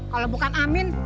kalau bukan amin